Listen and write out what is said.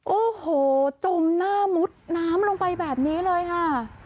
โอ้โหจมหน้ามุดน้ำลงไปแบบนี้เลยค่ะ